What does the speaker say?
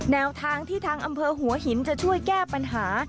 แนวทางที่ทางอำเภอหัวหินจะช่วยแก้ปัญหา